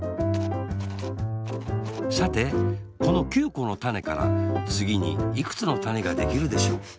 さてこの９このたねからつぎにいくつのたねができるでしょう？